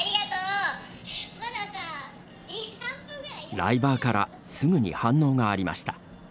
ライバーからすぐに反応がありました。